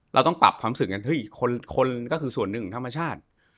เราต้องปรับความรู้สึกกันเฮ้ยอีกคนก็คือส่วนหนึ่งของธรรมชาติ